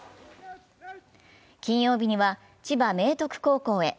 金曜日には千葉明徳高校へ。